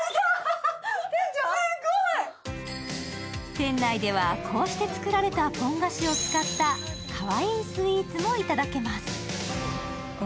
店内ではこうして作られたポン菓子を使ったかわいいスイーツもいただけます。